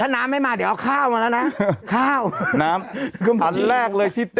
นี่อันนี้